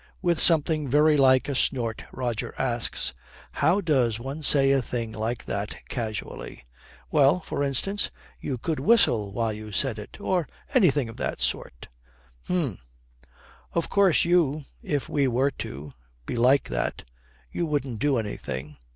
With something very like a snort Roger asks, 'How does one say a thing like that casually?' 'Well, for instance, you could whistle while you said it or anything of that sort.' 'Hum. Of course you if we were to be like that, you wouldn't do anything.'